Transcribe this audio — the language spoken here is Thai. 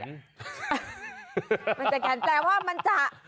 มันจะกันแปลว่ามันจะ